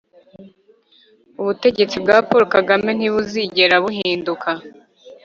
ubutegetsi bwa Paul Kagame ntibuzigera buhindura.